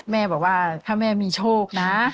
แม่บอกว่าถ้าแม่มีโชคนะ